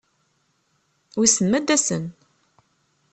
Wissen ma ad-asen?